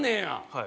はい。